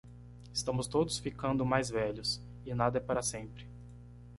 Estamos todos ficando mais velhos? e nada é para sempre.